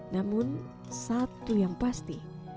namun satu yang pasti